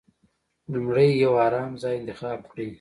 لومړی يو ارام ځای انتخاب کړئ.